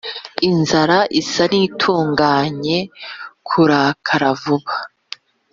Inzira isa n itunganye Kurakara vuba